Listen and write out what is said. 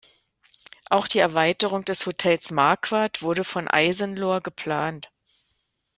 Auch die Erweiterung des Hotels Marquardt wurde von Eisenlohr geplant.